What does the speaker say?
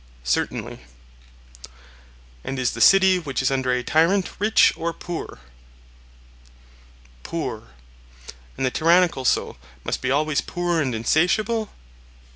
Certainly. And is the city which is under a tyrant rich or poor? Poor. And the tyrannical soul must be always poor and insatiable?